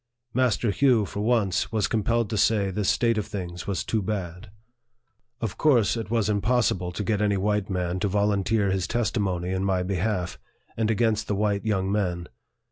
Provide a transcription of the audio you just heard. Master Hugh, for once, was compelled to say this state of things was too bad. Of 7 98 NARRATIVE OF THE course, it was impossible to get any white man to volunteer his testimony in my behalf, and against the white young men.